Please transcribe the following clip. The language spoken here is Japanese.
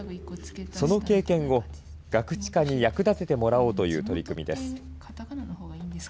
その経験をガクチカに役立ててもらおうという取り組みです。